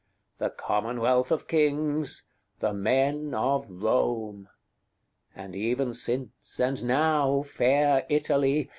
XXVI. The commonwealth of kings, the men of Rome! And even since, and now, fair Italy!